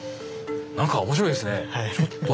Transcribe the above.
何か面白いですね。